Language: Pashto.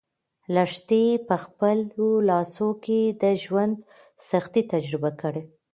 لښتې په خپلو لاسو کې د ژوند سختۍ تجربه کړې.